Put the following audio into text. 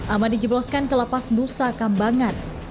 aman dijebloskan ke lapas nusa kambangan